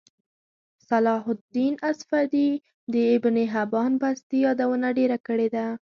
صلاحالدیناصفدی دابنحبانبستيیادونهډیره کړیده